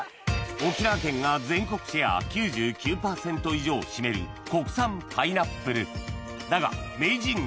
沖縄県が全国シェア９９％以上を占める国産パイナップルだが名人が育てるのは